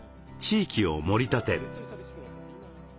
地域をもり立てる。